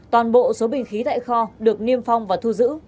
toàn bộ số bình khí tại kho được niêm phong và thu giữ